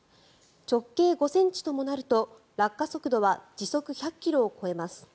直径５ｃｍともなると落下速度は時速１００ｋｍを超えます。